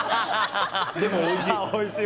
でも、おいしい。